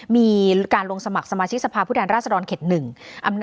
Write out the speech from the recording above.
มีการลงสมัครสมาชิกสภาพฤทธิราชดรรชน์เข็ด๑